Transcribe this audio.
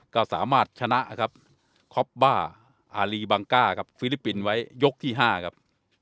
ก็สามารถชนะครับคอปบ้าอารีบังก้าครับฟิลิปปินส์ไว้ยกที่๕ครับ